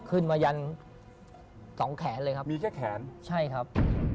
อ่ะขึ้นวันยันตรงแขนเลยครับ